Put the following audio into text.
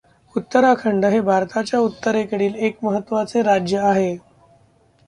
उत्तराखंड हे भारताच्या उत्तरे कडील एक महत्वाचे राज्य आहे.